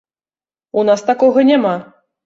У нас такога няма!